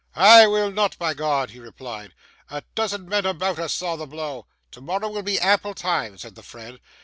'I will not, by G ,' he replied. 'A dozen men about us saw the blow.' 'Tomorrow will be ample time,' said the friend.